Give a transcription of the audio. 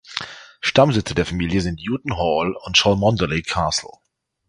Stammsitze der Familie sind Houghton Hall und Cholmondeley Castle.